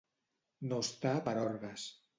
No estar per orgues.